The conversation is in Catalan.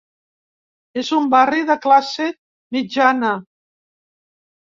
És un barri de classe mitjana.